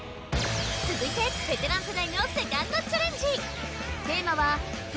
続いてベテラン世代のセカンドチャレンジテーマは俺！